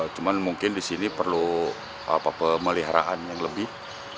cuman mungkin disini perlu pemeliharaan yang lebih